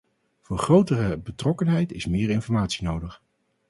Voor grotere betrokkenheid is meer informatie nodig.